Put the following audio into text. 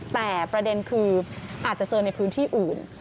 แต่ประเด็นคืออาจจะเจอในพื้นที่อื่น